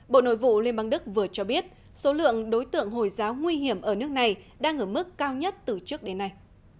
bộ nội vụ liên bang đức vừa cho biết số lượng đối tượng hồi giáo nguy hiểm ở nước này đang ở mức cao nhất từ trước đến nay